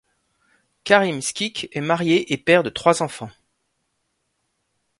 Karim Skik est marié et père de trois enfants.